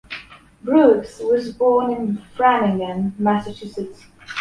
Brooks was born in Framingham, Massachusetts.